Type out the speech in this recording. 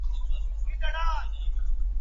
د خره محبت يا گوز دئ، يا لغته.